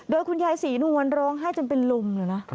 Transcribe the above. โดยคุณยายศรีนวลร้องไห้จนเป็นลมเลยนะ